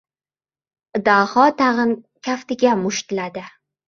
Daho tag‘in kaftiga mushtladi.